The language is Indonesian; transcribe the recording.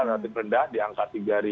relatif rendah di angka tiga lima ratus empat